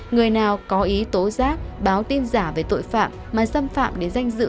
người nào có ý tố giác báo tin giả về tội phạm mà xâm phạm đến danh dự